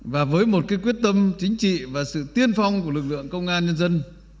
và với một quyết tâm chính trị và sự tiên phong của lực lượng công an nhân dân